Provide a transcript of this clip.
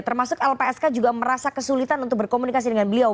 termasuk lpsk juga merasa kesulitan untuk berkomunikasi dengan beliau